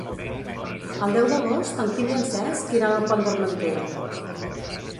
El deu d'agost en Quim i en Cesc iran al Pont d'Armentera.